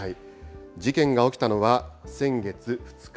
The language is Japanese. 事件が起きたのは、先月２日。